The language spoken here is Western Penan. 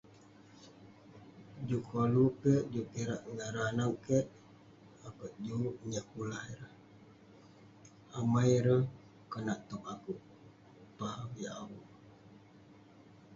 Juk koluk kek, juk kirak kik ngan ireh anag kek, juk koluk nyekulah ireh. Amai ireh konak tog akouk, pah avik awu.